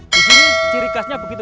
di sini ciri khasnya begitu